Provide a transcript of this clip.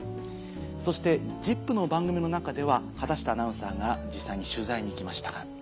そして『ＺＩＰ！』の番組の中では畑下アナウンサーが実際に取材に行きましたが。